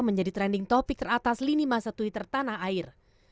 menjadi trending topic teratas lini masa twitter tanah air